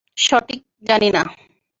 সঠিক জানি না।